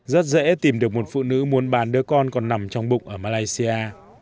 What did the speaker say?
rất dễ tìm được một phụ nữ muốn bán đứa con còn nằm trong bụng ở malaysia